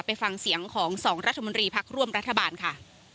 ไปฟังเสียงของ๒รัฐมนตรีพักร่วมรัฐบาลค่ะ